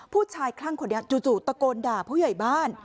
คลั่งคนนี้จู่ตะโกนด่าผู้ใหญ่บ้าน